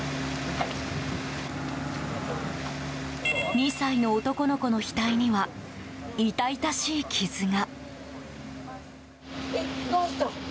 ２歳の男の子の額には痛々しい傷が。